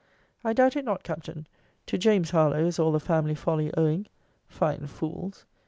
I doubt it not, Captain to James Harlowe is all the family folly owing. Fine fools!